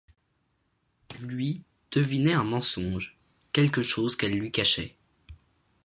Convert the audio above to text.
Lui, devinait un mensonge, quelque chose qu’elle lui cachait.